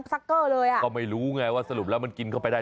เค้าก็ตกใจเหมือนกันไม่เคยเห็นภาพนี้